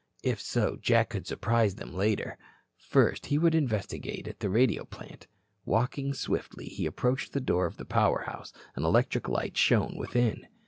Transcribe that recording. If so, Jack could surprise them later. First, he would investigate at the radio plant. Walking swiftly, he approached the door of the power house. An electric light shone within.